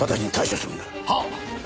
はっ！